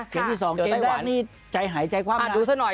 เกมที่๒เกมแรกนี่ใจหายใจความรัก